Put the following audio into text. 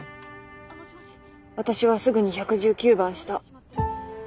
私はすぐに１１９番した。